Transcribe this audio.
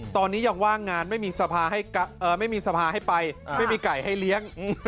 ตอนนี้ยังว่างงานไม่มีสภาให้ไปไม่มีไก่ให้เลี้ยง